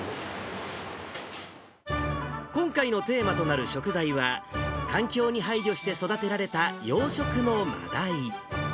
今回のテーマとなる食材は、環境に配慮して育てられた養殖のまだい。